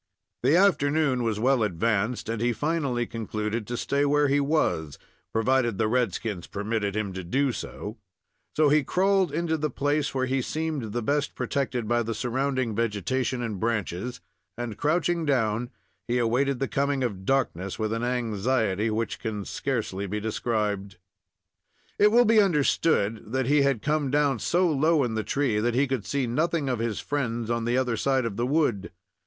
The afternoon was well advanced, and he finally concluded to stay where he was, provided the red skins permitted him to do so; so he crawled into the place, where he seemed the best protected by the surrounding vegetation and branches, and, crouching down, he awaited the coming of darkness with an anxiety which can scarcely be described. It will be understood that he had come down so low in the tree that he could see nothing of his friends on the other side of the wood.